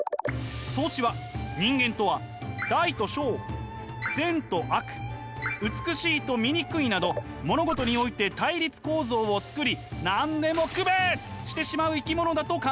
荘子は人間とは大と小善と悪美しいと醜いなど物事において対立構造を作り何でも区別してしまう生き物だと考えました。